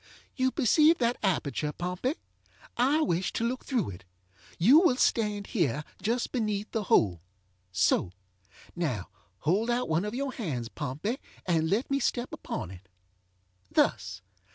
ŌĆ£You perceive that aperture, Pompey. I wish to look through it. You will stand here just beneath the holeŌĆöso. Now, hold out one of your hands, Pompey, and let me step upon itŌĆöthus.